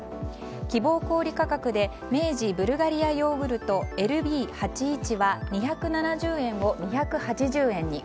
希望小売価格で明治ブルガリアヨーグルトＬＢ８１は２７０円を２８０円に。